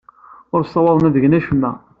Ur ssawḍen ad gen acemma.